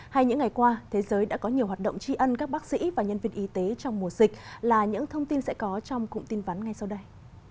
hay những ngày qua thế giới đã có nhiều hoạt động tri ân các bác sĩ và nhân viên y tế trong mùa dịch là những thông tin sẽ có trong cụm tin vắn ngay sau đây